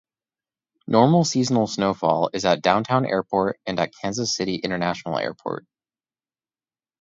Normal seasonal snowfall is at Downtown Airport and at Kansas City International Airport.